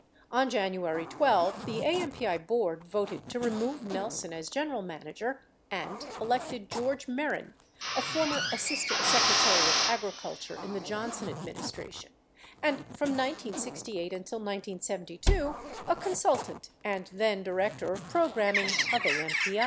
On January 12, the AMPI board voted to remove Nelson as general manager and elected George Mehren. a former Assistant Sec retary of Agriculture in the Johnson administration and, from 1968 until 1972, a consultant and then director of programing of AMPI.